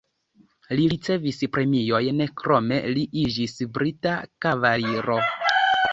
Li ricevis premiojn, krome li iĝis brita kavaliro.